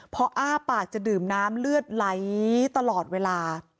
พออ้าปากจะดื่มน้ำเลือดไหลตลอดเวลา